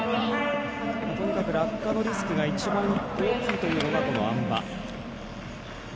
とにかく落下のリスクが一番、大きいというのがこのあん馬。